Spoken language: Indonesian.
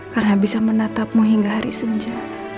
karena bisa menatapmu hingga hari senja